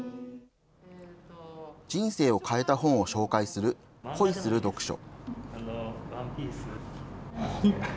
人生を変えた本を紹介する、恋する読書。